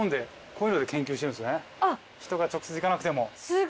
人が直接行かなくても。